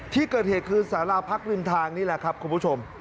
ที่เกิดเหตุคือสาราพักริมทางนี่แหละครับคุณผู้ชม